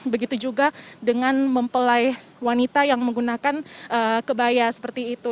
begitu juga dengan mempelai wanita yang menggunakan kebaya seperti itu